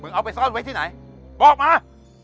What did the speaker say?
เอาไปซ่อนไว้ที่ไหนบอกมา